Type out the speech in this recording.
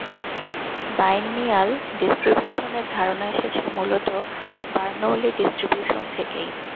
Binomial distribution এর ধারনা এসেছে মূলত বারনৌলি ডিস্ট্রিবিউশন থেকেই।